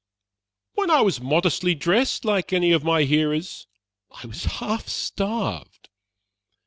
"When I was modestly dressed, like any of my hearers, I was half starved.